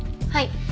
はい。